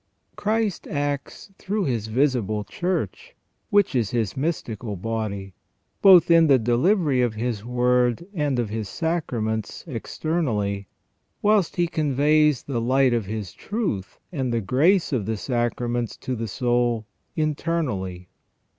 Christ acts through His visible Church, which is His mystical body, both in the delivery of His word and of His sacraments externally, whilst He conveys the light of His truth and the grace of the sacraments to the soul internally.